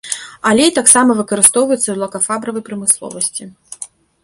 Алей таксама выкарыстоўваецца ў лакафарбавай прамысловасці.